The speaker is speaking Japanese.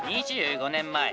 ２５年前。